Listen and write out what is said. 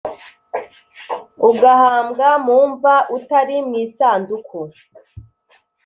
Ugahambwa mu mva utari mwi sanduku